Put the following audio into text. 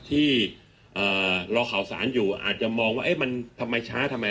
ที่รอข่าวสารอยู่อาจจะมองว่ามันทำไมช้าทำไม